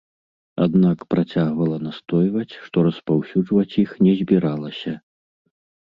Аднак працягвала настойваць, што распаўсюджваць іх не збіралася.